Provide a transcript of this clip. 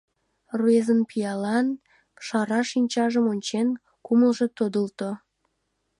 Рвезын пиалан шара шинчажым ончен, кумылжо тодылто.